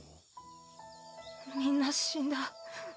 みんな死んだ。